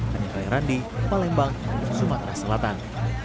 kami raihrandi malembang sumatera selatan